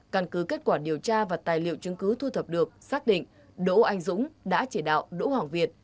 căn cứ kết quả điều tra và tài liệu chứng cứ thu thập được xác định đỗ anh dũng đã chỉ đạo đỗ hoàng việt